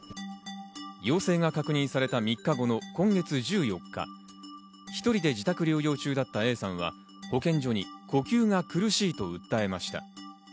陽性が確認された３日後の今月１４日、１人で自宅療養中だったＡさんは保健所に、呼吸が苦しいと訴えました。